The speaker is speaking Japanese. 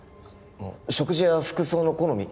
食事や服装の好み